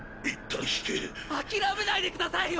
諦めないでくださいよ！